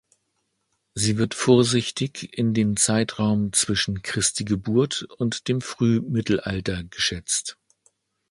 Sie wird vorsichtig in den Zeitraum zwischen Christi Geburt und dem Frühmittelalter geschätzt.